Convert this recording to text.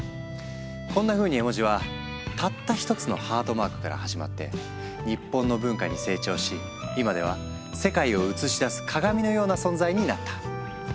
こんなふうに絵文字はたった一つのハートマークから始まって日本の文化に成長し今では世界を映し出す鏡のような存在になった。